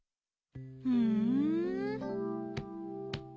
ふん。